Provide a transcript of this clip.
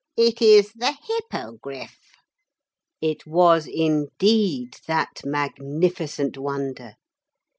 It is the Hippogriff.' It was indeed that magnificent wonder.